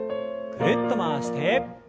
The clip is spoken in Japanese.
ぐるっと回して。